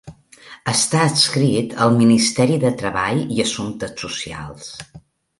Està adscrit al Ministeri de Treball i Assumptes Socials.